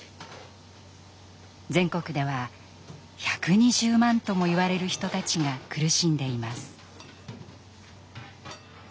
全国では１２０万ともいわれる人たちが苦しんでいます。